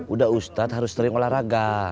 udah ustadz harus sering olahraga